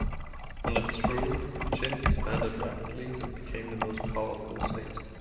Under his rule, Jin expanded rapidly and became the most powerful state.